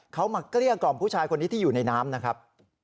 เขามาเกลี้ยกล่อมผู้ชายคนนี้ที่อยู่ในน้ำนะครับ